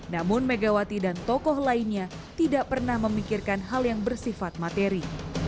namun megawati dan tokoh lainnya tidak pernah memikirkan hal yang bersifat materi